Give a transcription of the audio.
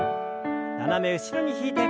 斜め後ろに引いて。